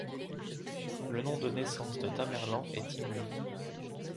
Le nom de naissance de Tamerlan est Timour.